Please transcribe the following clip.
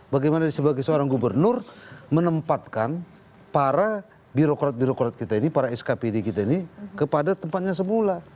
bagaimana sebagai seorang gubernur menempatkan para birokrat birokrat kita ini para skpd kita ini kepada tempatnya semula